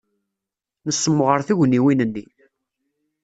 Nessemɣer tugniwin-nni.